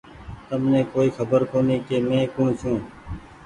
تمني ڪآئي خبر ڪوُني ڪ مينٚ ڪوٚڻ ڇوٚنٚ